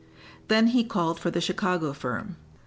Then he called for the Chicago firm.